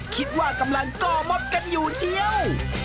คิดว่ากำลังก่อม็อบกันอยู่เชียว